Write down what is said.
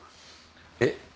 えっ？